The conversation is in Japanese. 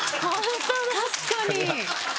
確かに！